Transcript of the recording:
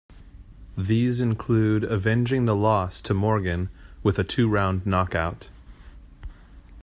These included avenging the loss to Morgan with a two-round knockout.